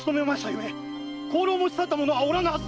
ゆえ香炉を持ちさった者はおらぬはず！